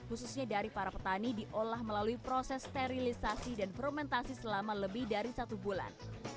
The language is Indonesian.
khususnya dari para petani diolah melalui proses sterilisasi dan fermentasi selama lebih dari satu bulan